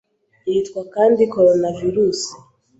Yitwa kandi Coronavirus